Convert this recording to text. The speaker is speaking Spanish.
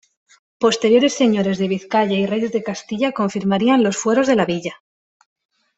Posteriores señores de Vizcaya y reyes de Castilla confirmarían los fueros de la villa.